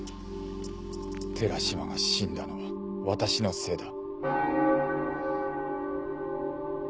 寺島が死んだのは私のせいだ。